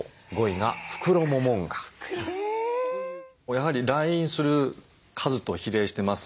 やはり来院する数と比例してます。